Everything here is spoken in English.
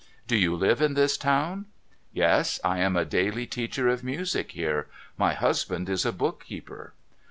' Do you live in this town ?'' Yes. I am a daily teacher of music here. My husband is a book keeper.'